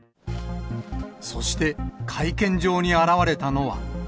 そして、会見場に現れたのは。